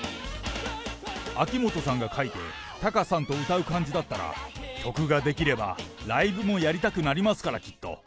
秋元さんが書いて、タカさんと歌う感じだったら、曲が出来れば、ライブもやりたくなりますから、きっと。